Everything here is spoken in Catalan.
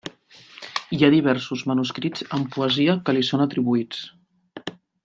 Hi ha diversos manuscrits amb poesia que li són atribuïts.